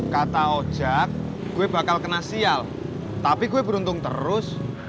kata ojek gue bakal kena sial tapi gue beruntung terus